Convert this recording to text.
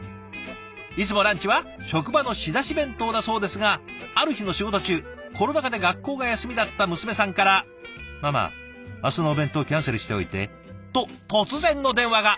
いつもランチは職場の仕出し弁当だそうですがある日の仕事中コロナ禍で学校が休みだった娘さんから「ママ明日のお弁当キャンセルしておいて」と突然の電話が。